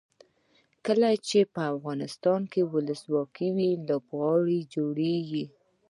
کله چې افغانستان کې ولسواکي وي لوبغالي جوړیږي.